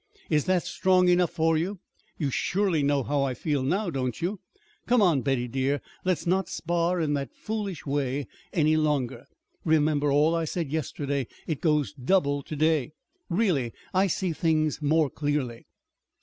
Is that strong enough for you? You surely know how I feel now, don't you? Come on, Betty dear! Let's not spar in that foolish way any longer. Remember all I said yesterday. It goes double today really, I see things more clearly."